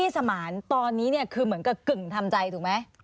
สมานตอนนี้เนี่ยคือเหมือนกับกึ่งทำใจถูกไหม